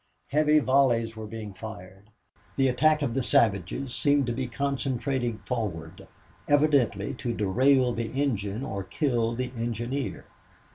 Heavy volleys were being fired. The attack of the savages seemed to be concentrating forward, evidently to derail the engine or kill the engineer.